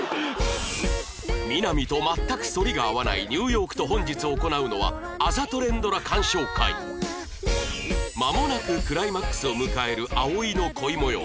みな実と全く反りが合わないニューヨークと本日行うのはまもなくクライマックスを迎える葵の恋模様